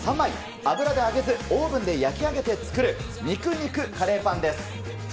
油で揚げず、オーブンで焼き上げて作る、肉肉カレーパンです。